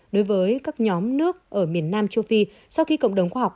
đối với các nhóm nước ở miền nam châu phi sau khi cộng đồng khoa học